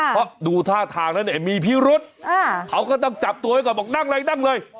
เพราะดูท่าทางแล้วเนี่ยมีพิรุษเขาก็ต้องจับตัวไว้ก่อนบอกนั่งเลยนั่งเลย